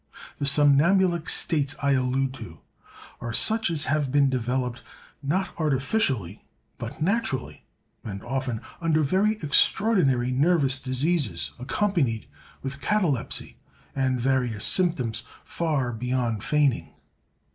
The somnambulic states I allude to, are such as have been developed, not artificially, but naturally; and often, under very extraordinary nervous diseases, accompanied with catalepsy, and various symptoms far beyond feigning.